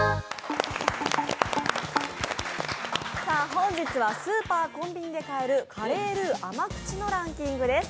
本日はスーパー・コンビニで買えるカレールー甘口のランキングです。